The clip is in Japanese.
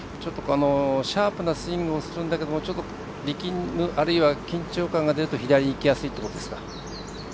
シャープなスイングをするんだけれどもちょっと力む、あるいは緊張感が出ると左にいきやすいということですか。